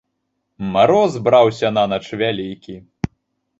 Мароз браўся нанач вялікі.